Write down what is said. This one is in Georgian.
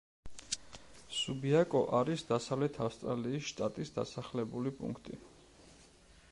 სუბიაკო არის დასავლეთ ავსტრალიის შტატის დასახლებული პუნქტი.